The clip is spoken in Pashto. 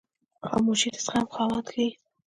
خاموشي، د زغم خاوند ښیي.